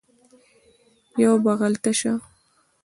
یوه بغل ته شه